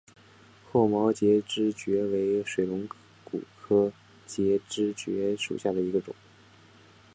厚毛节肢蕨为水龙骨科节肢蕨属下的一个种。